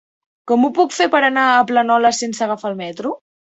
Com ho puc fer per anar a Planoles sense agafar el metro?